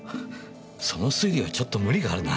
その推理はちょっと無理があるな。